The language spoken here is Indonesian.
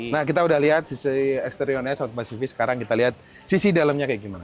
nah kita udah liat sisi eksterionnya south pacific sekarang kita liat sisi dalemnya kayak gimana yuk